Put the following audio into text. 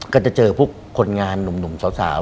ก็จะเจอพวกคนงานหนุ่มสาว